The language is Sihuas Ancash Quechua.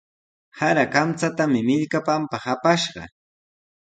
Sara kamchatami millkapanpaq apashqa.